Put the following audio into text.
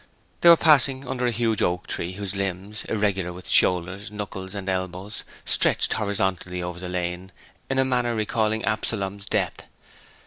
They were passing under a huge oak tree, whose limbs, irregular with shoulders, knuckles, and elbows, stretched horizontally over the lane in a manner recalling Absalom's death.